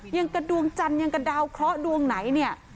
ยังกระดวงจันทร์ยังกระดาวเคราะห์ดวงไหนเนี่ย